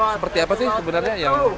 seperti apa sih sebenarnya yang